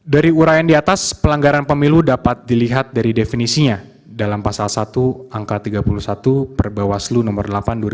dari urayan di atas pelanggaran pemilu dapat dilihat dari definisinya dalam pasal satu angka tiga puluh satu perbawaslu nomor delapan dua ribu delapan belas